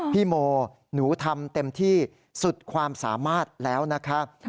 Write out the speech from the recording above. พี่โมหนูทำเต็มที่สุดความสามารถแล้วนะครับ